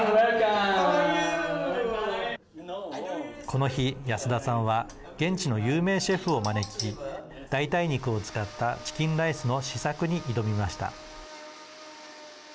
この日、安田さんは現地の有名シェフを招き代替肉を使ったチキンライスの試作に挑みました。